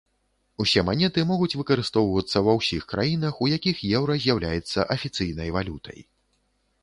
Усе манеты могуць выкарыстоўвацца ва ўсіх краінах, у якіх еўра з'яўляецца афіцыйнай валютай.